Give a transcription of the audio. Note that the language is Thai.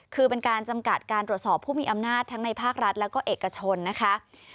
คือเป็นการจำกัดการตรวจสอบผู้มีอำนาจทั้งในภาครัฐแล้วก็เอกชนนะคะ